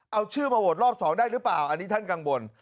เอาชื่อมาโหวตรอบ๒ได้หรือเปล่าอันนี้ท่านกังวล